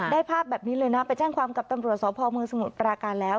ภาพแบบนี้เลยนะไปแจ้งความกับตำรวจสพเมืองสมุทรปราการแล้ว